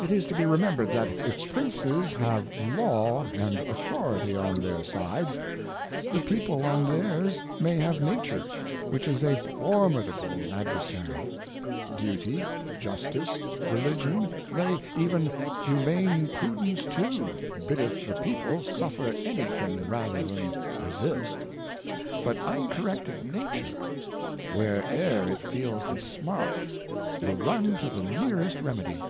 It is i to be remembred, that if Princes have Law and Authority on ! their sides, the People on theirs may have Nature, which is a |. formidable I02 The Character formidable ..Adxeraaqr ; Dutjj^ Justice^ JReligion^ nay, even Humane Prudence too, biddeth the People suffer any thing 'father than resist; but uncorrected Nature, where eire it feels the smart will run to the nearest Remedy.